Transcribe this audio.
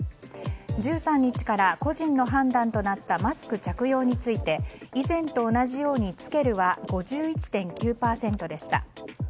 １３日から個人の判断となったマスク着用について以前と同じように着けるは５１．９％でした。